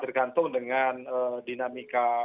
tergantung dengan dinamika